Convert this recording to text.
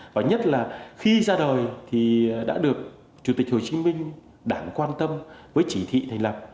và nhất là khi ra đời thì đã được chủ tịch hồ chí minh đảng quan tâm với chỉ thị thành lập